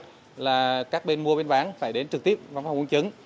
pháp luật là các bên mua bên bán phải đến trực tiếp văn phòng quân chứng